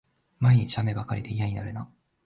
毎日、雨ばかりで嫌になるな